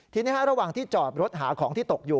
ทีนี้ระหว่างที่จอดรถหาของที่ตกอยู่